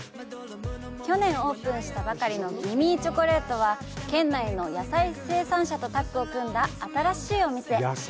去年オープンしたばかりのギミーチョコレートは、県内の野菜生産者とタッグを組んだ新しいお店！